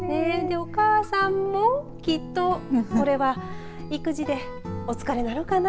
お母さんもきっとこれは育児でお疲れなのかな。